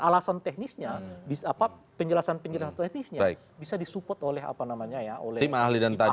alasan teknisnya penjelasan teknisnya bisa disupport oleh apa namanya ya oleh tim ahli dan tadi ya